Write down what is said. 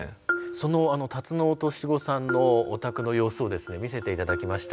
そのタツノオトシゴさんのお宅の様子をですね見せて頂きました。